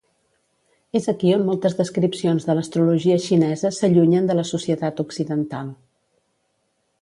És aquí on moltes descripcions de l'astrologia xinesa s'allunyen de la societat occidental.